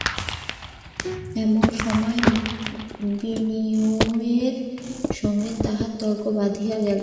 এমন সময় বিনয়ের সঙ্গে তাহার তর্ক বাধিয়া গেল।